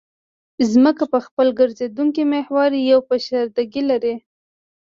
ځمکه په خپل ګرځېدونکي محور یوه فشردګي لري